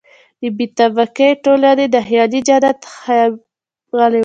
د بې طبقې ټولنې د خیالي جنت هیا هوی هم غلی وو.